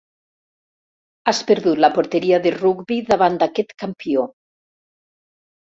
Has perdut la porteria de rugbi davant d'aquest campió.